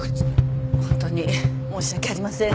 ホントに申し訳ありません。